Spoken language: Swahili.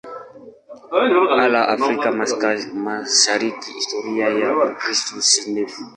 Ila Afrika Mashariki historia ya Ukristo si ndefu.